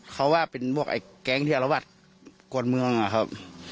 เขาว่าเป็นพวกไอ้แก๊งที่อารวาสกวนเมืองอะครับ